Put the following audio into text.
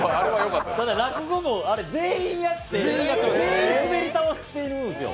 ただ落語のあれ全員やって全員スベり倒してるんですよ。